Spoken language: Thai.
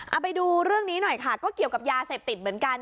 เอาไปดูเรื่องนี้หน่อยค่ะก็เกี่ยวกับยาเสพติดเหมือนกัน